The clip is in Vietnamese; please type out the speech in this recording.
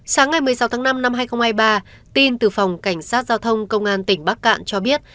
sáng ngày một mươi sáu tháng năm năm hai nghìn hai mươi ba tin từ phòng cảnh sát giao thông công an tỉnh bắc cạn cho biết